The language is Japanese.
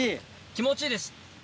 気持ちいいです。